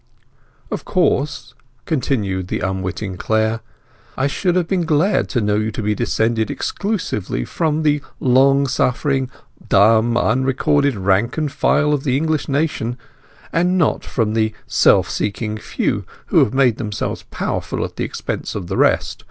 "Of course," continued the unwitting Clare, "I should have been glad to know you to be descended exclusively from the long suffering, dumb, unrecorded rank and file of the English nation, and not from the self seeking few who made themselves powerful at the expense of the rest.